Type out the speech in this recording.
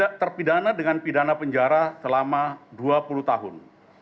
tidak terpidana dengan pidana penjara selama dua puluh tahun